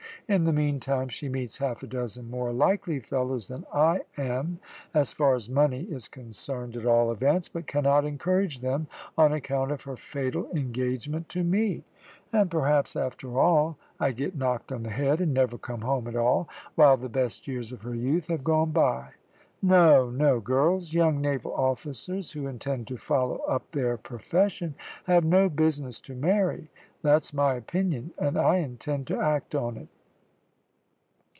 In the mean time she meets half a dozen more likely fellows than I am, as far as money is concerned at all events, but cannot encourage them on account of her fatal engagement to me; and perhaps, after all, I get knocked on the head and never come home at all, while the best years of her youth have gone by. No, no, girls; young naval officers who intend to follow up their profession have no business to marry; that's my opinion, and I intend to act on it."